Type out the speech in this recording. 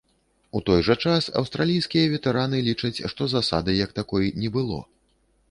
У той жа час аўстралійскія ветэраны лічаць, што засады як такой не было.